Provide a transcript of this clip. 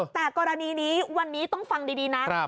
แต่กรณีนี้วันนี้ต้องฟังดีนะ